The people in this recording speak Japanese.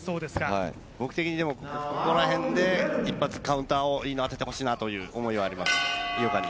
僕的に、ここら辺で一発カウンターを当ててほしいなという思いはあります、井岡に。